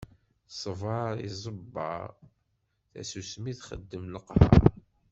Ṣṣbeṛ iẓebber, tasusmi txeddem leqheṛ.